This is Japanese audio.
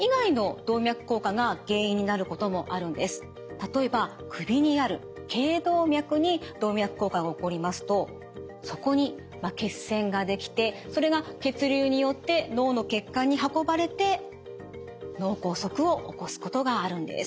例えば首にある頚動脈に動脈硬化が起こりますとそこに血栓ができてそれが血流によって脳の血管に運ばれて脳梗塞を起こすことがあるんです。